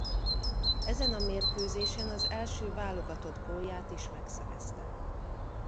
Ezen a mérkőzésen az első válogatott gólját is megszerezte.